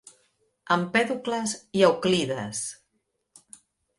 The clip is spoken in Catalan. Empèdocles i Euclides.